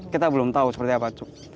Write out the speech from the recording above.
kita belum tahu seperti apa